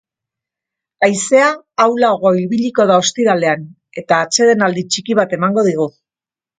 Haizea ahulago ibiliko da ostiralean, eta atsedenaldi txiki bat emango digu.